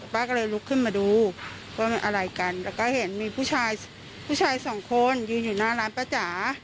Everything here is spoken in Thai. ป้าก็เลยลุกขึ้นมาดูว่ามันอะไรกันแล้วก็เห็นมีผู้ชายผู้ชายสองคนยืนอยู่หน้าร้านป้าจ๋า